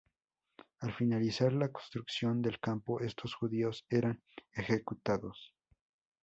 Al finalizar la construcción del campo, estos judíos eran ejecutados.